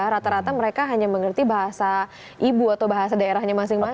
rata rata mereka hanya mengerti bahasa ibu atau bahasa daerahnya masing masing